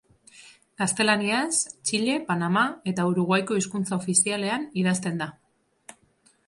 Gaztelaniaz, Txile, Panama eta Uruguaiko hizkuntza ofizialean, idazten da.